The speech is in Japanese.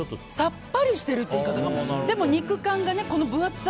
さっぱりしてるっていう言い方かも。